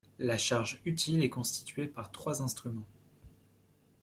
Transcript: La charge utile est constituée par trois instruments.